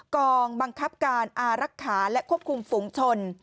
กองบังคับการอารักษาและควบคุมฝุงชน